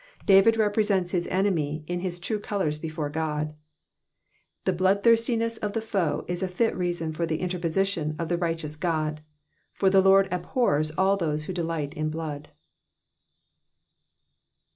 David represents his enemy in his true colours before God ; the bloodtliirstiness of the foe is a fit reason for the interposition of the righteous God, for the Lord abhors all those who delight in blood.